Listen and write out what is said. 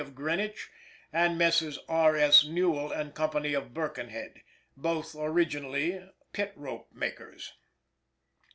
of Greenwich, and Messrs. R. S. Newall & Co., of Birkenhead both originally pit rope makers.